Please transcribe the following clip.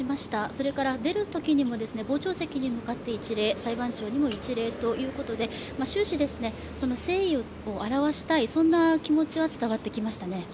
それから出るときにも傍聴席に向かって一礼、裁判長にも一礼ということで、終始、誠意を表したい、そんな気持ちは伝わってきましたね。